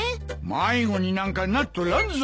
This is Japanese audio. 迷子になんかなっとらんぞ！